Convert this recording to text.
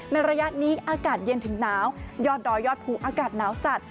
ระยะนี้อากาศเย็นถึงหนาวยอดดอยยอดภูอากาศหนาวจัด